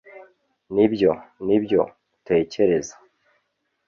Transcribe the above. nibyo nibyo utekereza